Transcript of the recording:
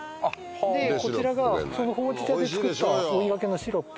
でこちらがそのほうじ茶で作った追いがけのシロップです。